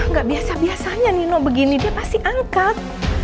nggak biasa biasanya nino begini dia pasti angkat